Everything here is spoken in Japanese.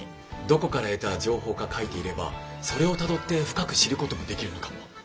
どこから得た情報か書いていればそれをたどって深く知ることもできるのかも。